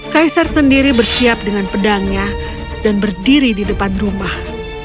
kaisar sendiri bersiap dengan pedangnya dan berdiri di depan rumah